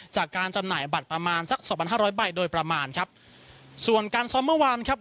จำหน่ายบัตรประมาณสักสองพันห้าร้อยใบโดยประมาณครับส่วนการซ้อมเมื่อวานครับ